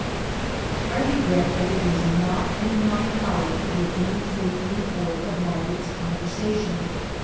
I regret that it is not in my power to give any true report of Margaret^s conversation.